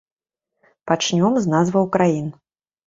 Пачнём з назваў краін.